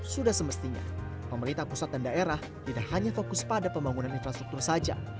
sudah semestinya pemerintah pusat dan daerah tidak hanya fokus pada pembangunan infrastruktur saja